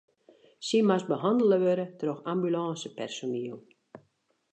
Sy moast behannele wurde troch ambulânsepersoniel.